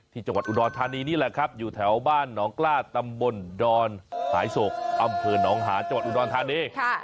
ที่จังหวัดอุดรธานีนี่แหละครับอยู่แถวบ้านหนองกล้าตำบลดอนหายโศกอำเภอหนองหาญจังหวัดอุดรธานี